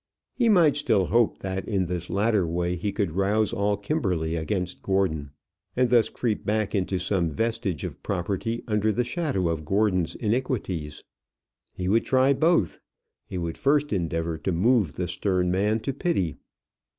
He might still hope that in this latter way he could rouse all Kimberley against Gordon, and thus creep back into some vestige of property under the shadow of Gordon's iniquities. He would try both. He would first endeavour to move the stern man to pity.